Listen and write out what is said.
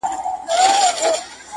هندوستان، پاکستان، ایران ، ترکیه